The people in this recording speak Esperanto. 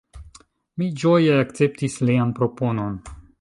Mi ĝoje akceptis lian proponon.